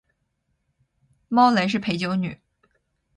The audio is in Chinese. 猫雷是陪酒女